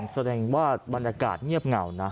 แสดงว่าบรรยากาศเงียบเหงานะ